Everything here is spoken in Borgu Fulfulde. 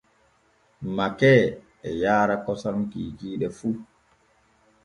Makee e yaara kosam kiikiiɗe fu.